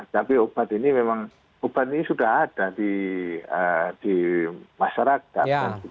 tapi obat ini memang obat ini sudah ada di masyarakat